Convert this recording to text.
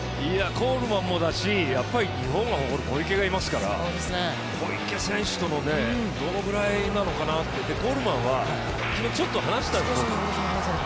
コールマンもだし日本が誇る小池がいますから小池選手とのどのくらいなのかな、コールマンは昨日、ちょっと話したんです。